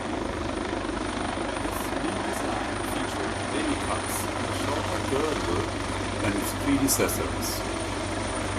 This new design featured demi-cups and a shorter girdle than its predecessors.